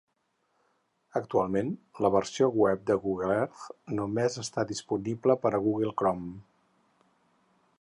Actualment, la versió web de Google Earth només està disponible per a Google Chrome.